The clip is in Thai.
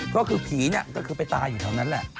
เพราะคือผีนี่ก็คือไปตายอยู่ทางนั้นแหละ